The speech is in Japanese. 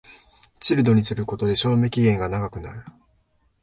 チルドにすることで賞味期限が長くなる